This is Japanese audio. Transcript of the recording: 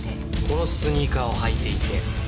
このスニーカーを履いていて。